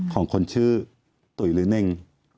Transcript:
ของคนชื่อตุ๋ยหรือเน่ง